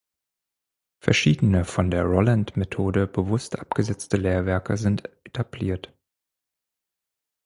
Verschiedene von der „Rolland-Methode“ bewusst abgesetzte Lehrwerke sind etabliert.